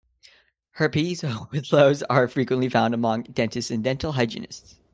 Herpes whitlows are frequently found among dentists and dental hygienists.